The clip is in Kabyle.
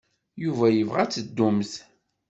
Yuba yebɣa ad teddumt.